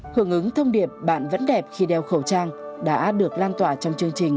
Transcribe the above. hưởng ứng thông điệp bạn vẫn đẹp khi đeo khẩu trang đã được lan tỏa trong chương trình